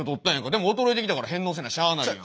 でも衰えてきたから返納せなしゃあないやんか。